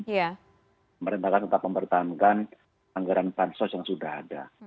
pemerintah akan tetap mempertahankan anggaran pansos yang sudah ada